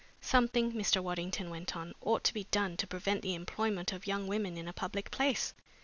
"Something," Mr. Waddington went on, "ought to be done to prevent the employment of young women in a public place.